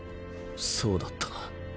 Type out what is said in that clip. そうだったな。